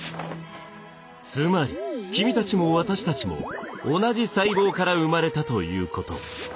つまり君たちも私たちも同じ細胞から生まれたということ。